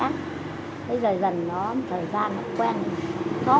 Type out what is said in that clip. thế giờ dần đó một thời gian đã quen rồi